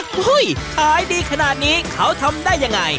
ขายดีขนาดนี้เขาทำได้ยังไง